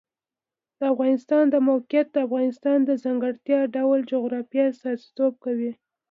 د افغانستان د موقعیت د افغانستان د ځانګړي ډول جغرافیه استازیتوب کوي.